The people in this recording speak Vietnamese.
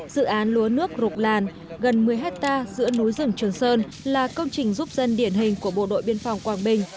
dự án lúa nước rục làn gần một mươi hectare giữa núi rừng trường sơn là công trình giúp dân điển hình của bộ đội biên phòng quảng bình